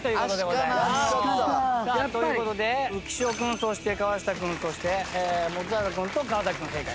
さあという事で浮所君そして河下くんそして本君と川君正解。